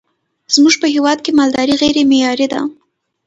زمونږ په هیواد کی مالداری غیری معیاری ده